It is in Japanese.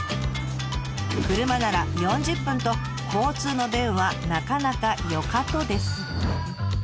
車なら４０分と交通の便はなかなかよかとです。